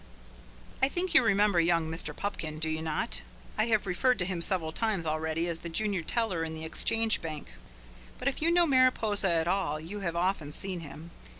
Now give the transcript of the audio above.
I think you remember young Mr. Pupkin, do you not? I have referred to him several times already as the junior teller in the Exchange Bank. But if you know Mariposa at all you have often seen him.